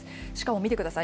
しかも見てください。